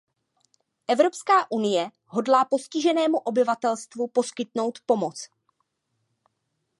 Evropská unie hodlá postiženému obyvatelstvu poskytnout pomoc.